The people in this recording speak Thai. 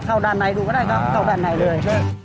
เข้าด้านในดูก็ได้ครับเข้าด้านในเลย